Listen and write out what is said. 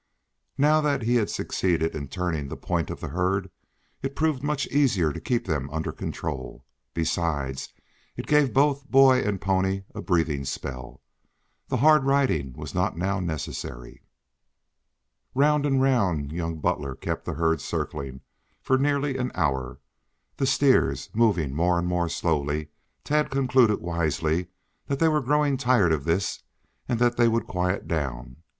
Now that he had succeeded in turning the point of the herd, it proved much easier to keep them under control. Besides, it gave both boy and pony a breathing spell. The hard riding was not now necessary. Round and round young Butler kept the herd circling for nearly an hour. The steers, moving more and more slowly, Tad concluded wisely that they were growing tired of this and that they would quiet down.